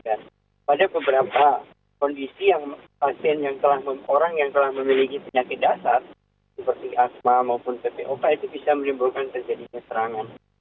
dan pada beberapa kondisi yang orang yang telah memiliki penyakit dasar seperti asma maupun ppov itu bisa menimbulkan terjadinya serangan